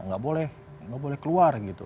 enggak boleh enggak boleh keluar gitu